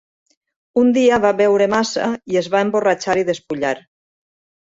Un dia va beure massa i es va emborratxar i despullar.